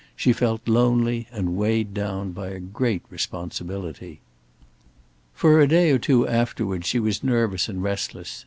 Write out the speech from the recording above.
She felt lonely and weighed down by a great responsibility. For a day or two afterwards she was nervous and restless.